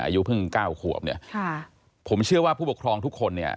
อายุเพิ่งเก้าขวบเนี่ยค่ะผมเชื่อว่าผู้ปกครองทุกคนเนี่ย